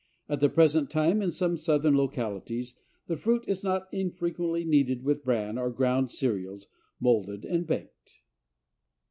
At the present time, in some southern localities, the fruit is not infrequently kneaded with bran or ground cereals, molded and baked.